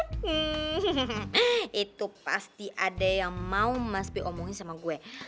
itu pasti ada yang mau mas bi omongin sama gue